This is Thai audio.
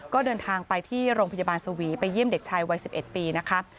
ก็เดินทางไปที่โรงพยาบาลสวีไปเยี่ยมเด็กชายวัย๑๑ปีนะคะ